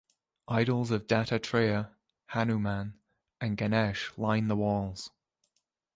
Idols of Dattatreya, Hanuman, and Ganesh line the walls.